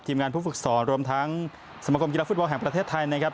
งานผู้ฝึกสอนรวมทั้งสมคมกีฬาฟุตบอลแห่งประเทศไทยนะครับ